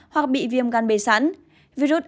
hoặc bị viêm gan bê sẵn virus